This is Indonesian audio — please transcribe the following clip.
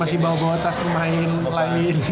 masih bawa bawa tas pemain lain